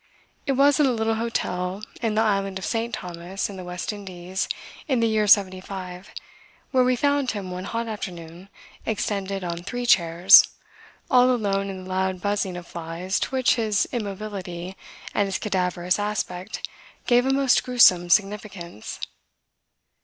It was in a little hotel in the island of St. Thomas in the West Indies (in the year '75) where we found him one hot afternoon extended on three chairs, all alone in the loud buzzing of flies to which his immobility and his cadaverous aspect gave a most gruesome significance.